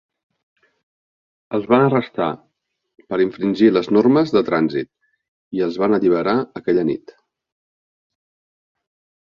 Els van arrestar per infringir les normes de trànsit i els van alliberar aquella nit.